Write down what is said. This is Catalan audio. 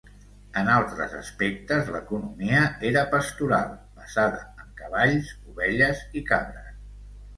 En altres aspectes, l'economia era pastoral, basada en cavalls, ovelles i cabres.